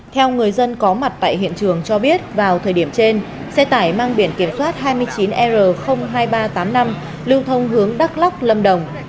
theo người dân có mặt tại hiện trường cho biết vào thời điểm trên xe tải mang biển kiểm soát hai mươi chín r hai nghìn ba trăm tám mươi năm lưu thông hướng đắk lắc lâm đồng